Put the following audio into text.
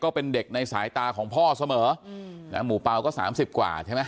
เป็นเด็กในสายตาของพ่อเสมอนะหมู่เปล่าก็สามสิบกว่าใช่ไหม